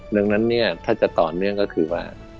ดังนั้นเนี่ยถ้าจะต่อเนื่องก็คือว่า